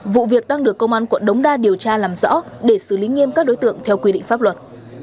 vụ việc đang được công an quận đống đa điều tra làm rõ để xử lý nghiêm các đối tượng theo quy định pháp luật